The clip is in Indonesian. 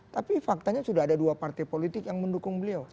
tapi faktanya sudah ada dua partai politik yang mendukung beliau